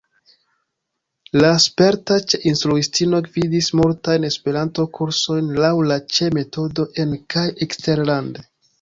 La sperta Ĉe-instruistino gvidis multajn Esperanto-kursojn laŭ la Ĉe-metodo en- kaj eksterlande.